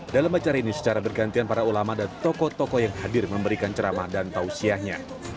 dalam acara ini secara bergantian para ulama dan tokoh tokoh yang hadir memberikan ceramah dan tausiahnya